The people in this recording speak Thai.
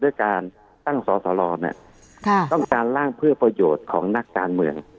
ด้วยการตั้งสอสรต้องการล่างเพื่อประโยชน์ของนักการเมือง